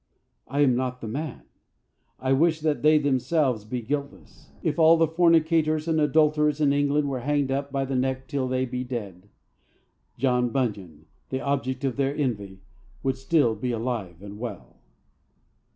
I am not the man. I wish that they themselves be guiltless. If all the fornicators and adulterers in England were hanged up by the neck till they be dead, John Bunyan, the object of their envy, would still be alive and well."